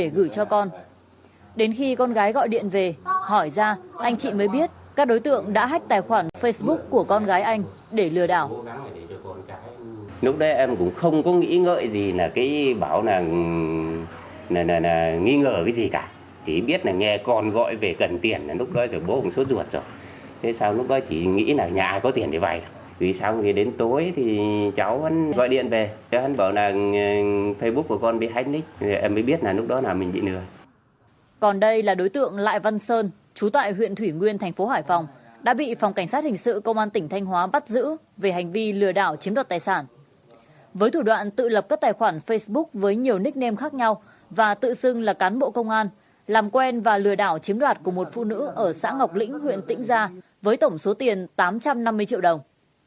với thủ đoạn tự lập các tài khoản facebook với nhiều nickname khác nhau và tự xưng là cán bộ công an làm quen và lừa đảo chiếm đoạt của một phụ nữ ở xã ngọc lĩnh huyện thủy nguyên thành phố hải phòng đã bị phòng cảnh sát hình sự công an tỉnh thanh hóa bắt giữ về hành vi lừa đảo chiếm đoạt của một phụ nữ ở xã ngọc lĩnh huyện tĩnh gia với tổng số tiền tám trăm năm mươi triệu đồng